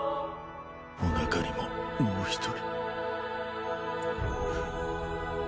おなかにももう一人